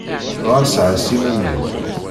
Ɣas ɛass iman-nnem!